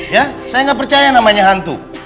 ya saya gak percaya namanya hantu